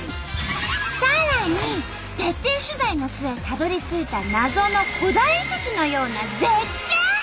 さらに徹底取材の末たどりついたナゾの古代遺跡のような絶景！